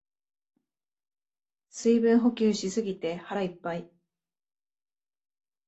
水分補給しすぎて腹いっぱい